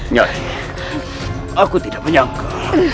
nyari aku tidak menyangka